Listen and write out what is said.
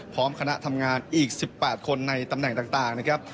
คณะทำงานอีก๑๘คนในตำแหน่งต่างนะครับ